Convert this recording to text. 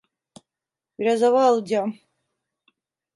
Biraz hava alacağım.